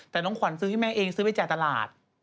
แต่น้องขวัญซื้อให้แม่เองซื้อไปจ่ายตลาด